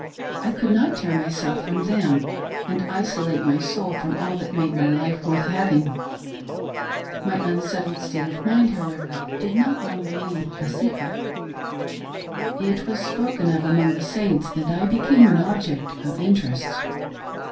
I could not tear myself from them, and isolate my soul from all that made life worth having. My unsettled state of mind, however, did not long remain l60 .THE DOINGS OF THE LONDON CONFERENCE. a secret. It was spoken of among the Saints, and I became an , object of interest.